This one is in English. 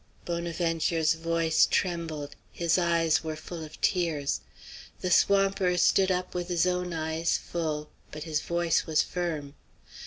Bonaventure's voice trembled; his eyes were full of tears. The swamper stood up with his own eyes full, but his voice was firm.